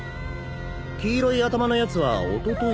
黄色い頭のやつはおとといだっけ？